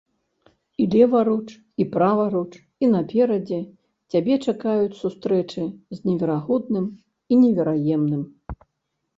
І леваруч, і праваруч, і наперадзе цябе чакаюць сустрэчы з неверагодным і невераемным.